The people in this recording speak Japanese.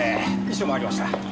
遺書もありました。